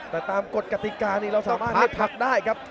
แต่ตามกฎกติกานี่เราสามารถให้พักได้ครับ